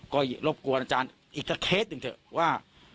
ก็ลบกวนอาจารย์อีกกระเทศนึงเถอะว่า